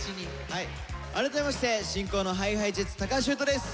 改めまして進行のＨｉＨｉＪｅｔｓ橋優斗です。